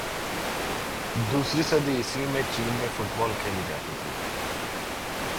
دوسری صدی عیسوی میں چین میں فٹبال کھیلی جاتی تھی۔